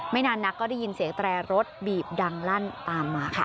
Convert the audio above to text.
นานนักก็ได้ยินเสียงแตรรถบีบดังลั่นตามมาค่ะ